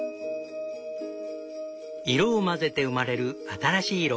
色を混ぜて生まれる新しい色。